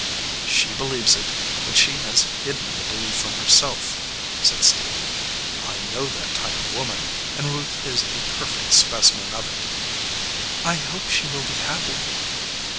"She believes it, but she has hidden the belief from herself," said Stephen. "I know that type of woman, and Ruth is a perfect specimen of it." "I hope she will be happy."